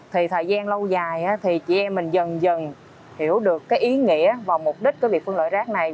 thì thời gian lâu dài thì chị em mình dần dần hiểu được cái ý nghĩa và mục đích của việc phân loại rác này